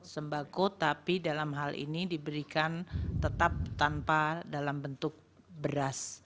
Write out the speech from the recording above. sembako tapi dalam hal ini diberikan tetap tanpa dalam bentuk beras